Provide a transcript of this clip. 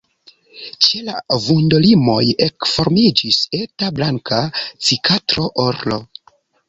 Ĉe la vundolimoj ekformiĝis eta blanka cikatro-orlo.